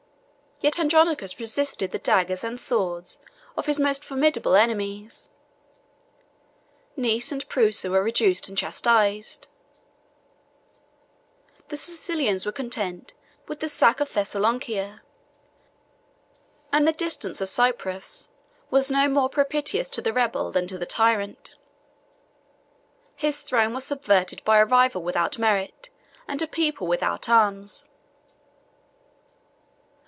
Yet Andronicus resisted the daggers and swords of his most formidable enemies: Nice and Prusa were reduced and chastised: the Sicilians were content with the sack of Thessalonica; and the distance of Cyprus was not more propitious to the rebel than to the tyrant. His throne was subverted by a rival without merit, and a people without arms.